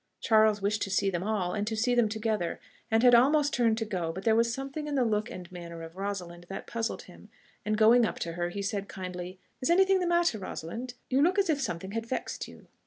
Charles wished to see them all, and to see them together, and had almost turned to go; but there was something in the look and manner of Rosalind that puzzled him, and going up to her, he said kindly, "Is anything the matter, Rosalind? You look as if something had vexed you."